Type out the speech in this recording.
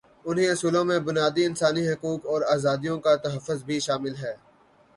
انہی اصولوں میں بنیادی انسانی حقوق اور آزادیوں کا تحفظ بھی شامل ہے۔